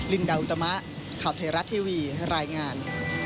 ลินดาวุตามะข่าวเทราะห์ทีวีรายงาน